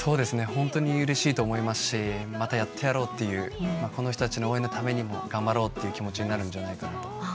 本当にうれしいと思いますしまたやってやろうというこの人たちの応援のためにも頑張ろうという気持ちになるんじゃないですかね。